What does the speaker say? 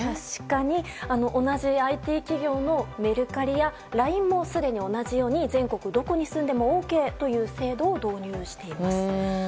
確かに、同じＩＴ企業のメルカリやＬＩＮＥもすでに同じように全国どこに住んでもＯＫという制度を導入しています。